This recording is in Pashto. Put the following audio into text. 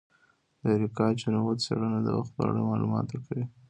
د اریکا چنووت څیړنه د وخت په اړه معلومات ورکوي.